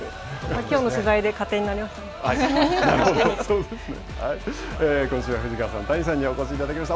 きょうの取材で勝手になりましたね。